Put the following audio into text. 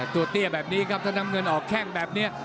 ตัวเตี้ยแบบนี้ครับถ้าน้ำเงินออกแข้งแบบนี้